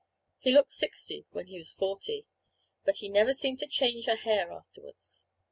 He looked sixty when he was forty. But he never seemed to me to change a hair afterwards.